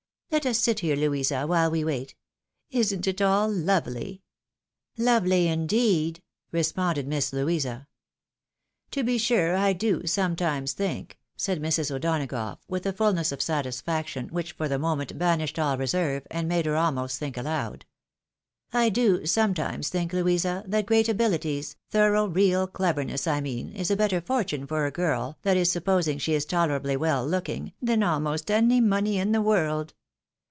Let us sit down here, Louisa, while we wait. Isn't it all lovely ?"" Lovely indeed!" responded Miss Louisa. " To be sure I do sometimes think," said Mrs. O'Donagough with a fulness of satisfaction which for the moment banished aU reserve, and made her almost think aloud, " I do some times think, Louisa, that great abilities, thorough real cleverness I mean, is a better fortune for a girl, that is supposing she is tolerably well looking, than almost any money in the world.